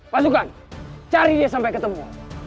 pasukan cari dia sampai ketemu